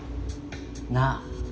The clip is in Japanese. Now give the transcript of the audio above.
なあ。